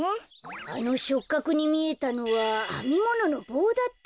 あのしょっかくにみえたのはあみもののぼうだったのか。